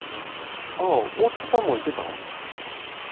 ああ大月さんもいてたん。